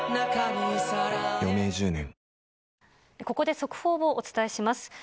ここで速報をお伝えします。